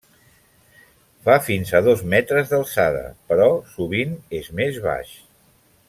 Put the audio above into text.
Fa fins a dos metres d'alçada, però sovint és més baix.